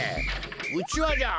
うちわじゃ。